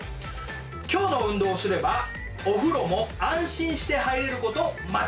今日の運動をすればお風呂も安心して入れること間違いなし。